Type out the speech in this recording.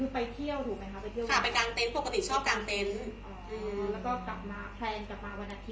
ไปในกลาง